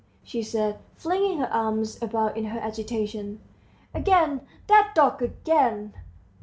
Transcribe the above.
she said, flinging her arms about in her agitation. "Again, that dog, again!